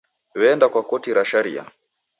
W'eenda kwa koti ra sharia.